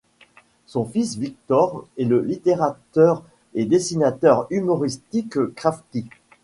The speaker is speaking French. Son fils Victor est le littérateur et dessinateur humoristique, Crafty.